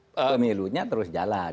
pemilunya terus jalan